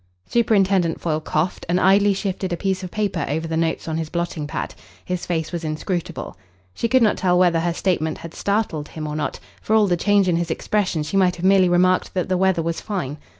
Superintendent Foyle coughed and idly shifted a piece of paper over the notes on his blotting pad. His face was inscrutable. She could not tell whether her statement had startled him or not. For all the change in his expression she might have merely remarked that the weather was fine.